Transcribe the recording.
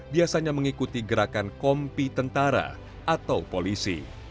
biasanya mengikuti gerakan kompi tentara atau polisi